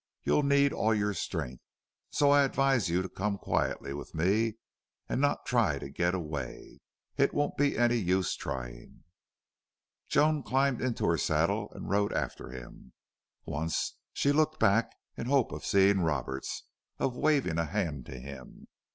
You'll need all your strength. So I advise you to come quietly with me and not try to get away. It won't be any use trying." Joan climbed into her saddle and rode after him. Once she looked back in hope of seeing Roberts, of waving a hand to him.